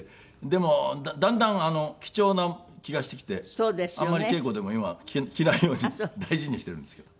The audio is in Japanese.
でもだんだん貴重な気がしてきてあんまり稽古でも今は着ないように大事にしているんですけど。